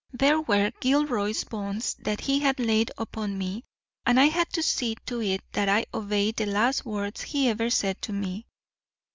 There were Gilroy's bonds that he had laid upon me, and I had to see to it that I obeyed the last words he ever said to me.